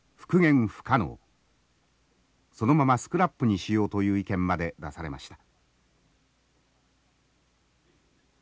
そのままスクラップにしようという意見まで出されました。